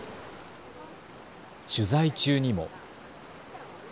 取材中にも。